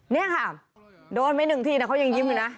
นี่ค่ะโดนไปหนึ่งทีนะเขายังยิ้มอยู่นะ